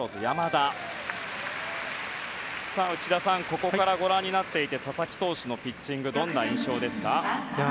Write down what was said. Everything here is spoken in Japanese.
ここからご覧になっていて佐々木投手のピッチングどんな印象ですか？